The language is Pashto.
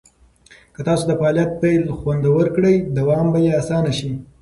که تاسو د فعالیت پیل خوندور کړئ، دوام به یې اسانه شي.